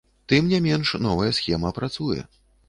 Тым не менш, новая схема працуе.